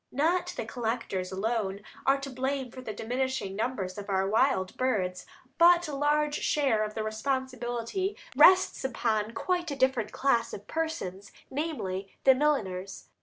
Not the collectors alone are to blame for the diminishing numbers of our wild birds, but a large share of the responsibility rests upon quite a different class of persons, namely, the milliners.